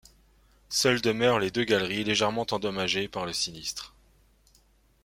Seules demeurent les deux galeries, légèrement endommagées par le sinistre.